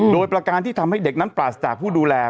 โดยประการที่ทำให้เด็กนั้นปราศจากผู้ดูแล